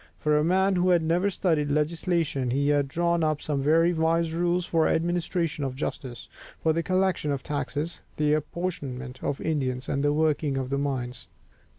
For a man who had never studied legislation, he had drawn up some very wise rules for the administration of justice, for the collection of taxes, the apportionment of the Indians, and the working of the mines.